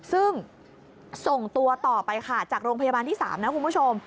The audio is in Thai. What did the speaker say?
ซึ่งส่งตัวต่อไปค่ะจากโรงพยาบาลที่๓นะคุณผู้ชม